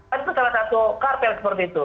kan itu salah satu kartel seperti itu